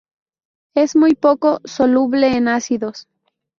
Es muy poco soluble en ácidos.